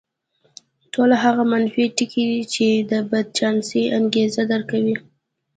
ټول هغه منفي ټکي چې د بدچانسۍ انګېزه درکوي.